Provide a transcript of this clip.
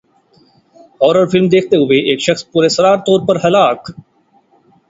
horror film دیکھتے ہوئے ایک شخص پراسرار طور پر ہلاک